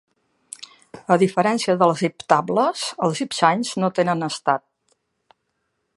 A diferència dels iptables, els ipchains no tenen estat.